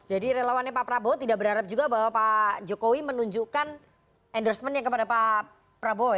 jadi relawannya pak prabowo tidak berharap juga bahwa pak jokowi menunjukkan endorsement nya kepada pak prabowo ya